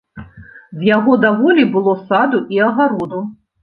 З яго даволі было саду і агароду.